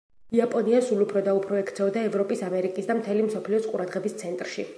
იაპონია სულ უფრო და უფრო ექცეოდა ევროპის, ამერიკის და მთელი მსოფლიოს ყურადღების ცენტრში.